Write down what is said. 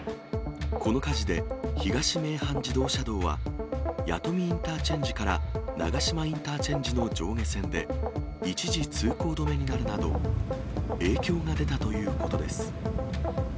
この火事で東名阪自動車道は、弥富インターチェンジから長島インターチェンジの上下線で、一時通行止めになるなど、影響が出たということです。